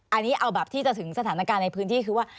อันนี้เอาแบบที่จะถึงสถานการณ์ในพื้นที่คือว่า